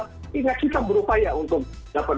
sehingga kita berupaya untuk dapat